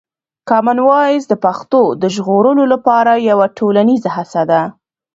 کامن وایس د پښتو د ژغورلو لپاره یوه ټولنیزه هڅه ده.